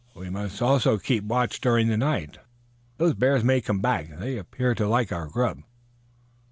We must also keep watch during the night. Those bears may come back. They appear to like our grub."